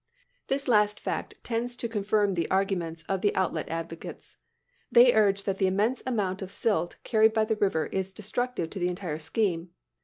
This last fact tends to confirm the arguments of the outlet advocates. They urge that the immense amount of silt carried by the river is destructive to the entire scheme.